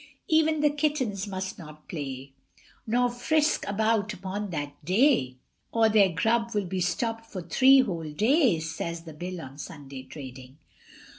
Even the kittens must not play, Nor frisk about upon that day, Or their grub will be stopped for three whole days, Says the Bill on Sunday trading.